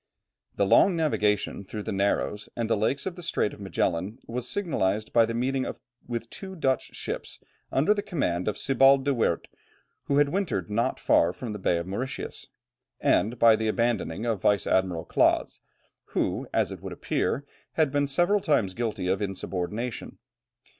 The long navigation through the narrows and the lakes of the Strait of Magellan was signalized by the meeting with two Dutch ships, under the command of Sebald de Weerdt, who had wintered not far from the Bay of Mauritius, and by the abandoning of Vice admiral Claaz, who, as it would appear, had been several times guilty of insubordination.